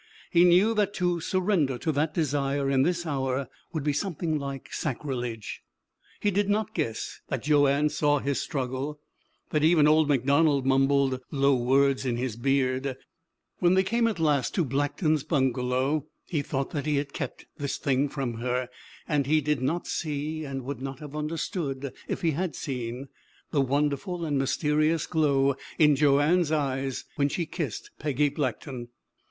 He knew that to surrender to that desire in this hour would be something like sacrilege. He did not guess that Joanne saw his struggle, that even old MacDonald mumbled low words in his beard. When they came at last to Blackton's bungalow he thought that he had kept this thing from her, and he did not see and would not have understood if he had seen the wonderful and mysterious glow in Joanne's eyes when she kissed Peggy Blackton.